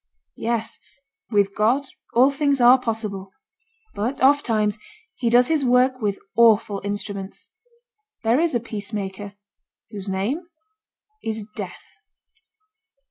Yes; with God all things are possible. But ofttimes He does his work with awful instruments. There is a peacemaker whose name is Death.